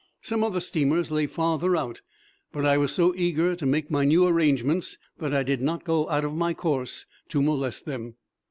Some other steamers lay farther out, but I was so eager to make my new arrangements that I did not go out of my course to molest them.